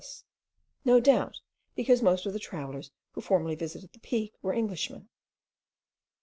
no doubt because most of the travellers, who formerly visited the peak, were Englishmen.